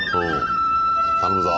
頼むぞ！